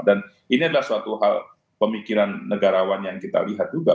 dan ini adalah suatu hal pemikiran negarawan yang kita lihat juga